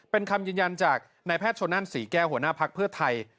เป็นคำยืนยันจากนายแพทย์ชนนั่นศรีแก้วหัวหน้าภักดิ์เพื่อไทย